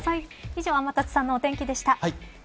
以上、天達さんの天気でした。